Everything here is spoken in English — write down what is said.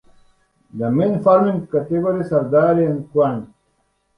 The main farming categories are dairy and equine.